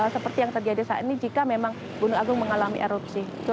seperti yang terjadi saat ini jika memang gunung agung mengalami erupsi